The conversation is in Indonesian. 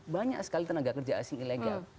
banyak sekali tenaga kerja asing ilegal